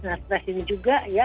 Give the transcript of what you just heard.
nah stres ini juga ya